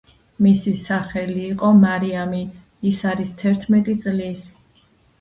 მისი სახელი იყო მარიამი ის არის თერთმეტი წლის